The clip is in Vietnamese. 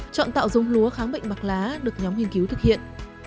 chọn tạo giống lúa kháng bệnh bạc lá được nhóm nghiên cứu thực hiện